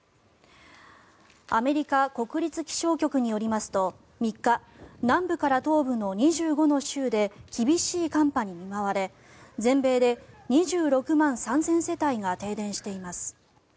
アメリカ国立気象局によりますと３日、南部から東部の２５の州で厳しい寒波に見舞われ全米で２６万３０００世帯が停電しています。